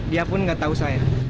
dia pun nggak tahu saya